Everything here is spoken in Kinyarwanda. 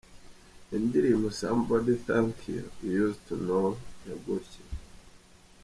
Indirimbo Somebody Tha You Use To Know ya Gotye.